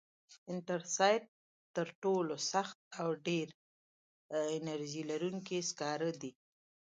انترسایت تر ټولو سخت او ډېر انرژي لرونکی سکاره دي.